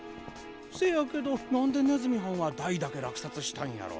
せやけどなんでねずみはんは大だけらくさつしたんやろ？